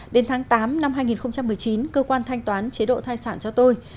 đến tháng tám năm hai nghìn một mươi chín cơ quan thanh toán chế độ thai sản cho tôi